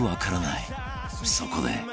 そこで